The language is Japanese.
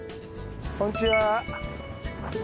こんにちは。